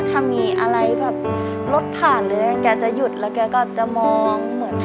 ถ้ามีอะไรแบบรถผ่านเลยแกจะหยุดแล้วแกก็จะมองเหมือน